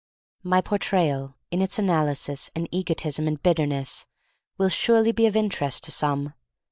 — My Portrayal in its analysis and egotism and bitterness will surely be of interest to some.